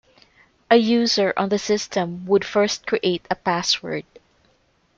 A user on the system would first create a password.